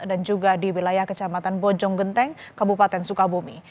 dan juga di wilayah kecamatan bojong genteng kabupaten sukabumi